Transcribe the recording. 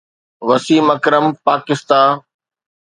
Waseem Akram پاڪستا